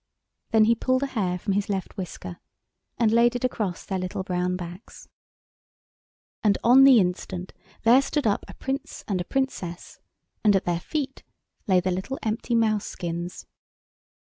Then he pulled a hair from his left whisker and laid it across their little brown backs. And on the instant there stood up a Prince and a Princess and at their feet lay the little empty mouse skins.